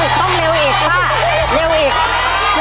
ต้องเร็วอีกค่ะเร็วอีก